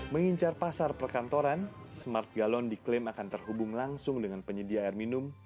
mengincar pasar perkantoran smart galon diklaim akan terhubung langsung dengan penyedia air minum